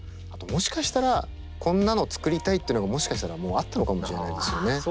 あともしかしたらこんなの作りたいというのがもしかしたらもうあったのかもしれないですよね。